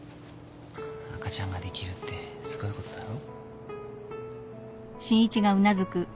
赤ちゃんができるってすごいことだろ？